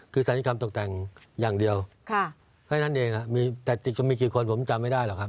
คือศัลยกรรมตกแต่งอย่างเดียวแค่นั้นเองมีแต่ติดจะมีกี่คนผมจำไม่ได้หรอกครับ